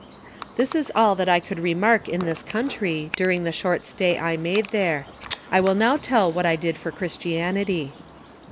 This is all that I could remark in this countiy, during the short stay I made there. I will now tell what I did for Christianity.